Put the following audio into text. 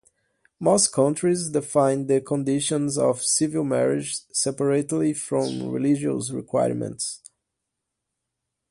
Most countries define the conditions of civil marriage separately from religious requirements.